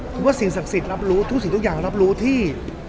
ผมว่าสิ่งศักดิ์สิทธิ์รับรู้ทุกสิ่งทุกอย่างรับรู้ที่